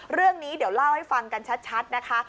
เรื่องนี้เดี๋ยวเล่าให้ฟังกันชัดนะคะ